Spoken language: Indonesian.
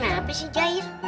uping kenapa sih jahir